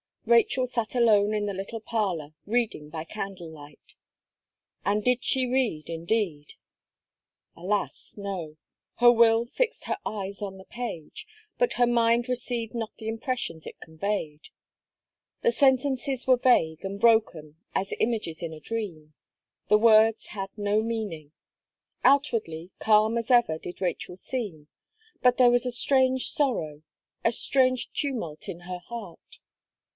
Rachel sat alone in the little parlour, reading by candle light. And did she read, indeed! Alas no! Her will fixed her eyes on the page, but her mind received not the impressions it conveyed. The sentences were vague and broken as images in a dream; the words had no meaning. Outwardly, calm as ever did Rachel seem, but there was a strange sorrow a strange tumult in her heart.